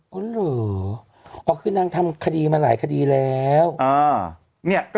มันเหรออ๋อคือนางทำคดีเมื่อรายคดีแล้วอ่าเนี่ยก็